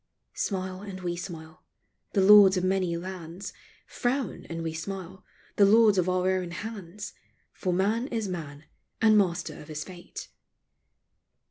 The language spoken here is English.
Smile and we smile, the lords of many lands ; Frown and we smile, the lords of our own hands ; For man is man and master of his fate.